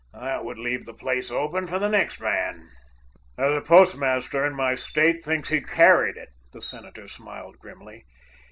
That would leave the place open for the next man." "There's a postmaster in my State thinks he carried it." The senator smiled grimly.